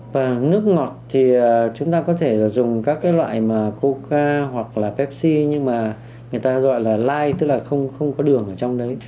và nước ngọt thì chúng ta có thể dùng các cái loại coca hoặc là pepsi nhưng mà người ta gọi là lye tức là không có đường ở trong đấy